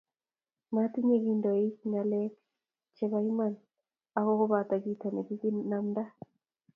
matinye kindonik ngalek che bo iman ako kobo kito nekikinamda